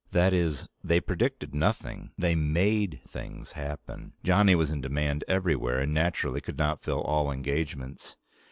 That is, they predicted nothing they made things happen. Johnny was in demand everywhere and naturally could not fill all engagements.